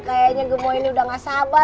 kayanya gemoa ini udah gak sabar